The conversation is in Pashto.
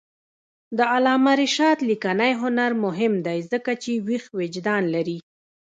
د علامه رشاد لیکنی هنر مهم دی ځکه چې ویښ وجدان لري.